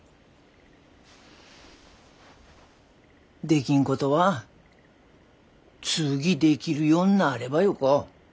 できんことは次できるようになればよか。